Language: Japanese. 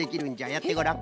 やってごらん。